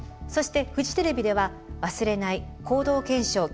そしてフジテレビでは「わ・す・れ・な・い行動検証